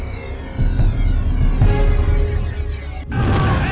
kau tidak suka ini